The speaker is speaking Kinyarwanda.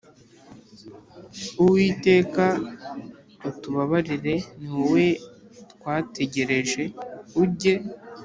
Uwiteka utubabarire ni wowe twategereje ujye